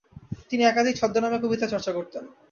তিনি একাধিক ছদ্মনামে কবিতা চর্চা করতেন।